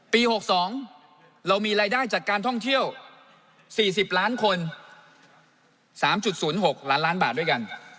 ๖๒เรามีรายได้จากการท่องเที่ยว๔๐ล้านคน๓๐๖ล้านล้านบาทด้วยกัน